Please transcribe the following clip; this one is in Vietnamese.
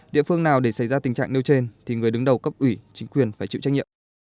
địa phương nào để xảy ra tình trạng nêu trên thì người đứng đầu cấp ủy chính quyền phải chịu trách nhiệm